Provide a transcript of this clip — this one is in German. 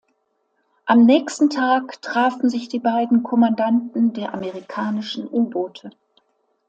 Am nächsten Tag trafen sich die beiden Kommandanten der amerikanischen U-Boote.